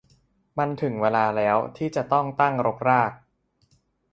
มันถึงเวลาแล้วที่จะต้องตั้งรกราก